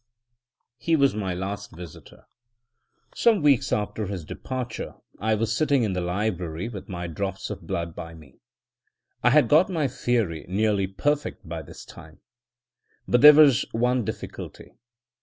He was my last visitor. Some weeks after his departure I was sitting in the library with my drops of blood by me. I had got my theory nearly perfect by this time; but there was one difficulty.